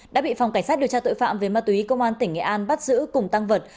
đã bị phòng cảnh sát điều tra tội phạm về ma túy công an tỉnh nghệ an bắt giữ cùng tăng vật